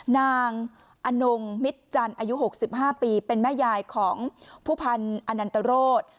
นางอะนงมิตจัณท์อายุ๖๕ปีเป็นแม่ยายของผู้พรรณอะนันทโฮรส